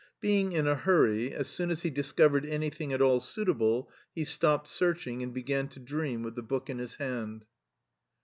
Being in a hurry, as soon as he discovered anything at all suitable he stopped searching and began to dream with the book in his hand.